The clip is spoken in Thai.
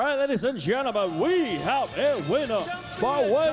เอาล่ะทุกคนเรามีคำถามต่อไป